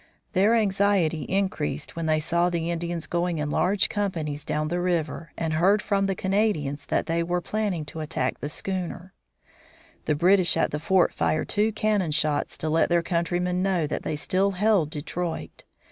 Their anxiety increased when they saw the Indians going in large companies down the river and heard from the Canadians that they were planning to attack the schooner. The British at the fort fired two cannon shots to let their countrymen know that they still held Detroit.